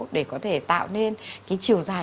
để có thể tạo nên cái chiều dài